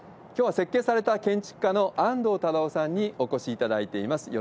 きょうは設計された、建築家の安藤忠雄さんにお越しいただいています。